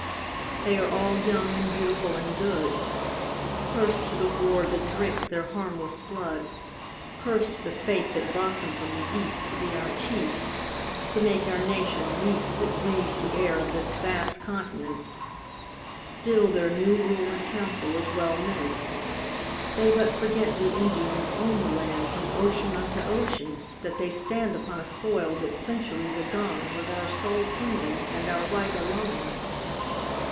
They all are young and beautiful and good; Curse to the war that drinks their harmless blood. Curse to the fate that brought them from the East To be our chiefs to make our nation least That breathes the air of this vast continent. Still their new rule and council is well meant. They but forget we Indians owned the land From ocean unto ocean; that they stand Upon a soil that centuries agone Was our sole kingdom and our right alone.